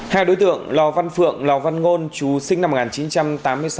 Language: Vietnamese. hai đối tượng lò văn phượng lò văn ngôn chú sinh năm một nghìn chín trăm tám mươi sáu